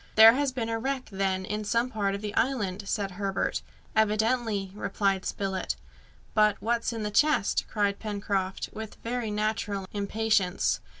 "There has been a wreck, then, in some part of the island," said Herbert. "Evidently," replied Spilett. "But what's in this chest?" cried Pencroft, with very natural impatience.